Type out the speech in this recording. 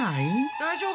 大丈夫？